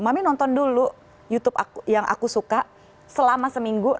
mami nonton dulu youtube yang aku suka selama seminggu